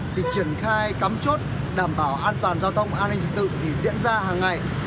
thì triển khai cắm chốt đảm bảo an toàn giao thông an ninh trật tự thì diễn ra hàng ngày